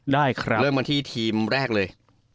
ได้ครับเริ่มกันที่ทีมแรกเลย